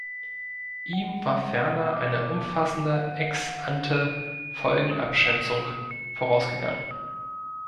Ihm war ferner eine umfassende Ex-ante-Folgenabschätzung vorausgegangen.